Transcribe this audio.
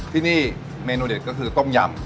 ที่นี่เมนูเด็ดก็คือต้มยำ